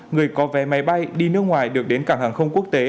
người có vé máy bay đi nước ngoài được đến cảng hàng không quốc tế